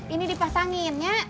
ini dipasangin ya